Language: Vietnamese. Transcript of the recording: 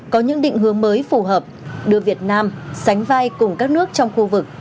có những định hướng mới phù hợp đưa việt nam sánh vai cùng các nước trong khu vực